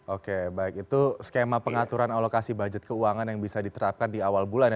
oke baik itu skema pengaturan alokasi budget keuangan yang bisa diterapkan di awal bulan ya